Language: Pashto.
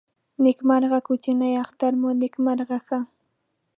نیکمرغه کوچني اختر مو نیکمرغه ښه.